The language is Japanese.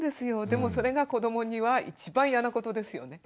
でもそれが子どもには一番嫌なことですよね。